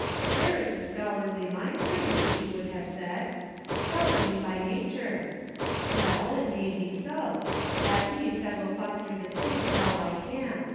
* There is a scholarly mind for you,' he would have said ; 'scholarly by nature.' Well, it may be so; at least I will foster the taste all I can.